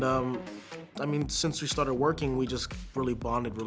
dan saya ingin mengatakan sejak kami mulai bekerja kita benar benar berhubungan dengan baik